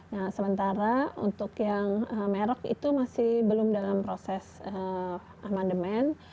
nah sementara untuk yang merek itu masih belum dalam proses amandemen